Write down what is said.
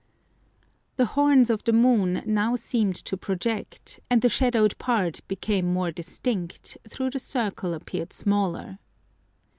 The horns of the moon now seemed to project, and the shadowed part became more distinct, though the circle appeared smaller.